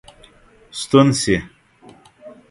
ستون سي.